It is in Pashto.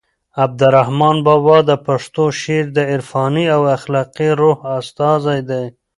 عبدالرحمان بابا د پښتو شعر د عرفاني او اخلاقي روح استازی دی.